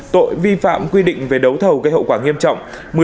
tội vi phạm quy định về đấu thầu gây hậu quả nghiêm trọng